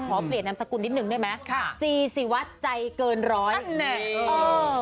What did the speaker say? ขอเปลี่ยนน้ำสกุลนิดหนึ่งได้ไหมค่ะสี่สิวะใจเกินร้อยอันนี้เออ